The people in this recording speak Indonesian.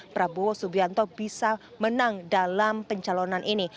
prabowo subianto bisa menang dalam pencalonan ini